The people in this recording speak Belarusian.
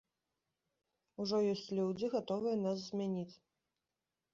Ужо ёсць людзі, гатовыя нас змяніць.